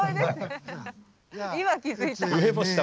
今気付いた。